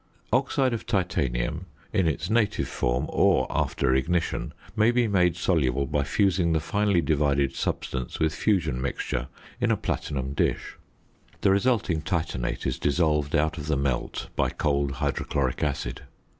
Oxide of titanium in its native form, or after ignition, may be made soluble by fusing the finely divided substance with fusion mixture in a platinum dish. The resulting titanate is dissolved out of the "melt" by cold hydrochloric acid.